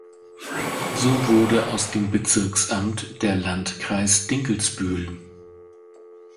So wurde aus dem Bezirksamt der Landkreis Dinkelsbühl.